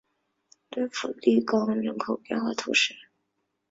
勒普利冈人口变化图示